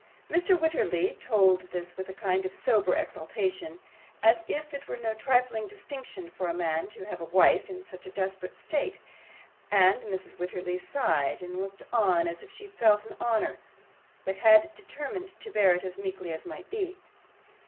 Mr. Wititterly told this with a kind of sober exultation, as if it were no trifling distinction for a man to have a wife in such a desperate state, and Mrs. Wititterly sighed and looked on, as if she felt the honour, but had determined to bear it as meekly as might be.